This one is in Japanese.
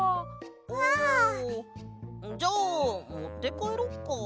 あ。じゃあもってかえろっか。